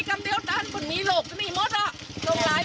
กินที่ไปเป็นไม่รู้กี่พันไร